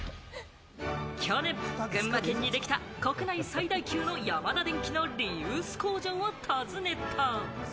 去年、群馬県にできた国内最大級のヤマダデンキのリユース工場を訪ねた。